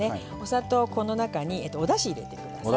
この中におだし入れてください。